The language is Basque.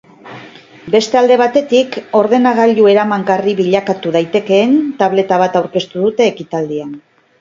Beste alde batetik, ordenagailu eramangarri bilakatu daitekeen tableta bat aurkeztu dute ekitaldian.